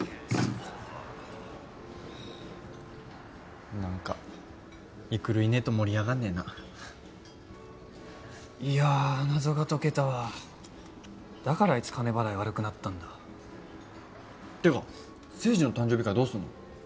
い何か育いねえと盛り上がんねえないや謎が解けたわだからあいつ金払い悪くなったんだってか誠二の誕生日会どうすんの？